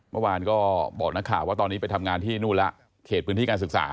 เมื่อวานก็บอกนักข่าวว่าตอนนี้ไปทำงานที่นู่นแล้วเขตพื้นที่การศึกษา